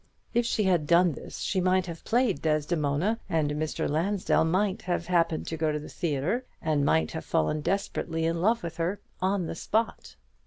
If she had done this, she might have played Desdemona, and Mr. Lansdell might have happened to go to the theatre, and might have fallen desperately in love with her on the spot.